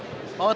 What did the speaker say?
oh terima kasih